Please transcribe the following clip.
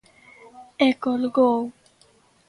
E colgou.